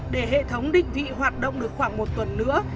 để hệ thống định vị hoạt động được khoảng một tuần nữa